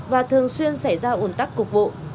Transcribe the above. và thường xuyên xảy ra ổn tắc cục vụ